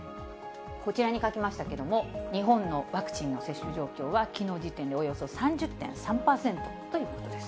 こちらに書きましたけれども、日本のワクチンの接種状況は、きのう時点でおよそ３０．３％ということです。